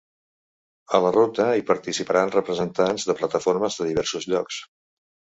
A la ruta, hi participaran representants de plataformes de diversos llocs.